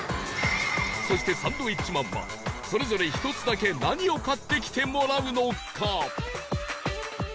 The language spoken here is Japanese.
そしてサンドウィッチマンはそれぞれ１つだけ何を買ってきてもらうのか？